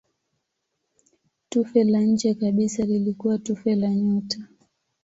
Tufe la nje kabisa lilikuwa tufe la nyota.